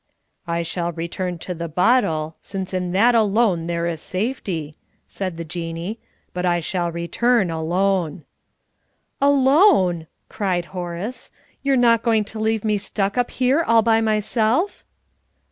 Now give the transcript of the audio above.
"I shall return to the bottle, since in that alone there is safety," said the Jinnee. "But I shall return alone." "Alone!" cried Horace. "You're not going to leave me stuck up here all by myself?"